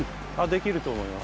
できますと思います。